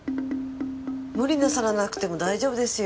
無理なさらなくても大丈夫ですよ。